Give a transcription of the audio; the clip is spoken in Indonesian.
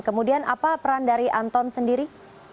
kemudian apa peran dari anton sendiri